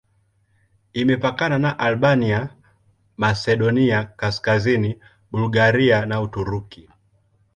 Imepakana na Albania, Masedonia Kaskazini, Bulgaria na Uturuki.